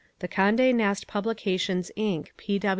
The Conde Nast Publications, Inc.